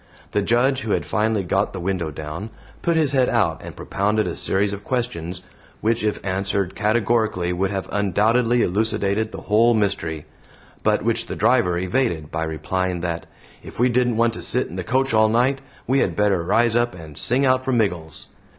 The Judge, who had finally got the window down, put his head out and propounded a series of questions, which if answered categorically would have undoubtedly elucidated the whole mystery, but which the driver evaded by replying that "if we didn't want to sit in the coach all night, we had better rise up and sing out for Miggles."